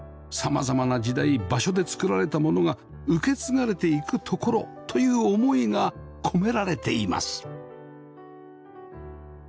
様々な時代場所で作られたものが受け継がれていく所という思いが込められています